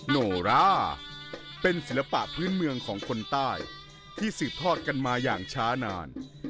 โนราเป็นศิลปะพื้นเมืองของคนใต้ที่สืบทอดกันมาอย่างช้านาน